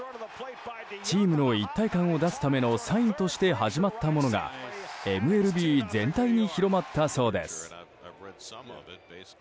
チームの一体感を出すためのサインとして始まったものがＭＬＢ全体に広まったそうです。